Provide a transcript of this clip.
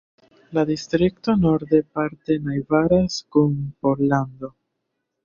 La distrikto norde parte najbaras kun Pollando.